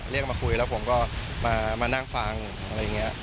เรียกมาคุยแล้วผมก็มานั่งฟังอะไรอย่างนี้